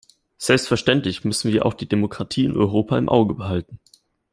Selbstverständlich müssen wir auch die Demokratie in Europa im Auge behalten.